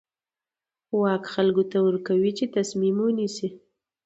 واک خلکو ته ورکوي چې تصمیم ونیسي.